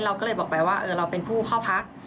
เราก็เลยบอกไปว่าเราเป็นผู้เข้าพัก